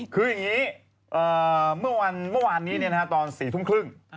คืออย่างนี้เมื่อวานนี้ตอน๔ทุ่มครึ่ง